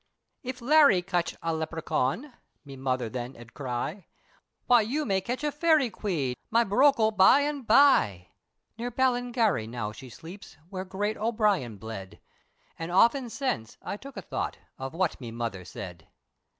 "If Larry cotch a Leprechawn," Me mother then 'ed cry, "Why you may ketch a fairy queen, Ma bouchal by an' by!" Near Balligarry now she sleeps, Where great O'Brien bled, And often since I took a thought, Of what me mother said.